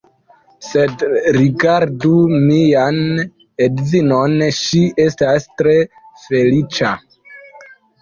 Sed, rigardu mian edzinon, ŝi estas tre feliĉa.